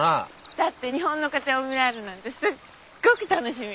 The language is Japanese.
だって日本の家庭を見られるなんてすっごく楽しみ。